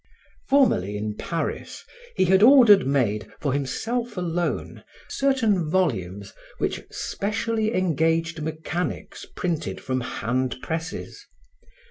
Formerly in Paris he had ordered made, for himself alone, certain volumes which specially engaged mechanics printed from hand presses.